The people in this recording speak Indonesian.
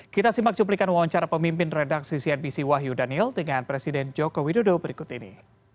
kita simak cuplikan wawancara pemimpin redaksi cnbc wahyu daniel dengan presiden joko widodo berikut ini